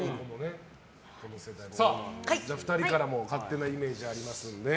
２人からも勝手なイメージありますんで。